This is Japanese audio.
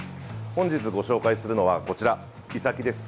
本日ご紹介するのはこちらイサキです。